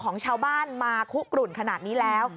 ของชาวบ้านมาคุกรุ่นขนาดนี้แล้ว